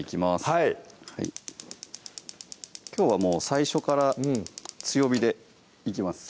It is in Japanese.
はいきょうはもう最初から強火でいきます